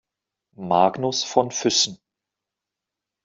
Magnus von Füssen.